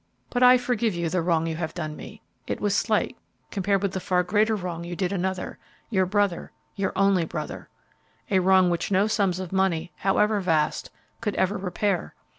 But I forgive you the wrong you have done me. It was slight compared with the far greater wrong you did another, your brother your only brother! A wrong which no sums of money, however vast, could ever repair.